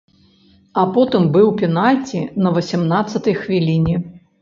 А потым быў пенальці на васямнаццатай хвіліне.